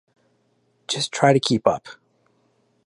Just try to keep up.